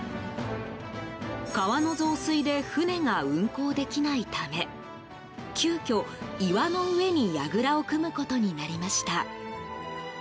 川の増水で船が運航できないため急きょ、岩の上にやぐらを組むことになりました。